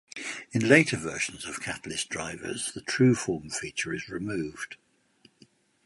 In later version of Catalyst drivers, the TruForm feature is removed.